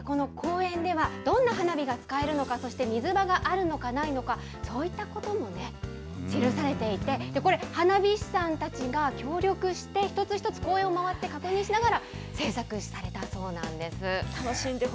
さらにですね、この公園では、どんな花火が使えるのか、そして水場があるのかないのか、そういったこともね、記されていて、これ、花火師さんたちが協力して、一つ一つ公園を回って確認しながら制作したんだそうなんです。